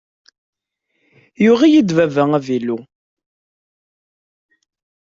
Yuɣ-iyi-d baba avilu.